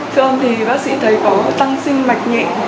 siêu âm thì bác sĩ thấy có tăng sinh mạch nhện